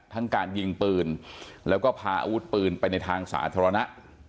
ทั้งการยิงปืนแล้วก็พาอาวุธปืนไปในทางสาธารณะ